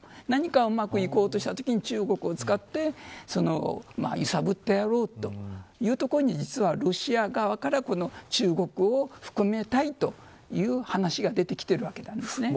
何かうまくいことしたときに中国を使って揺さぶってやろうというところに実はロシア側から中国を含めたいという話が出ているわけです。